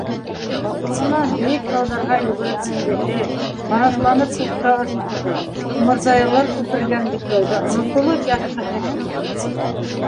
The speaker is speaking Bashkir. Шатлығынан бейек тауҙарға йүгереп менгеһе, ҡанатланып күккә осҡоһо, умырзаялар күпергән битләүҙә онотолоп ятҡыһы килде.